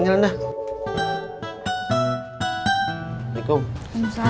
jual kontrakan kita